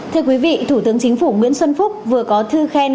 thưa quý vị thủ tướng chính phủ nguyễn xuân phúc vừa có thư khen